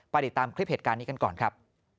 ติดตามคลิปเหตุการณ์นี้กันก่อนครับ